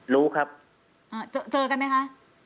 รู้ครับเจอกันไหมคะ